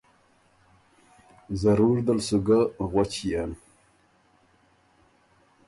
ضرور دل سُو ګۀ غؤَݭيېن۔